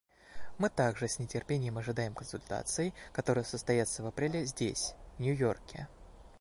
Мы также с нетерпением ожидаем консультаций, которые состоятся в апреле здесь, в Нью-Йорке.